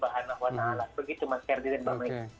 begitu mas herdrian bapak ibu